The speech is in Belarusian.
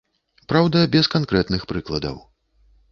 Праўда, без канкрэтных прыкладаў.